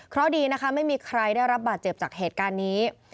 เพราะดีนะคะไม่มีใครได้รับบาดเจ็บจากเหตุการณ์นี้